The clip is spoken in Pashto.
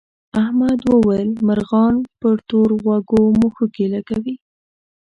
احمد وویل مرغان پر تور غوږو مښوکې لکوي.